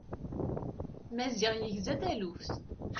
Maziɣ yegza taluft.